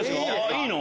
いいの？